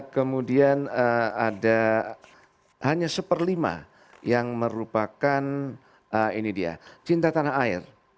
kemudian ada hanya seperlima yang merupakan ini dia cinta tanah air